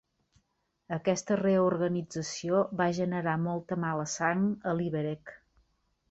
Aquesta reorganització va generar molta mala sang a Liberec.